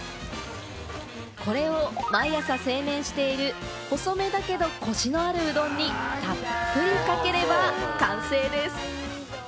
これを毎朝製麺している細めだけれども、こしのあるうどんに、たっぷりかければ完成です！